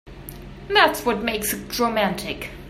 That's what makes it romantic.